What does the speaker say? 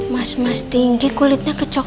mas mas tinggi kulitnya kecok